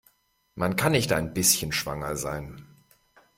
Man kann nicht ein bisschen schwanger sein.